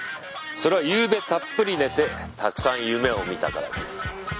それはゆうべたっぷり寝てたくさん夢を見たからです。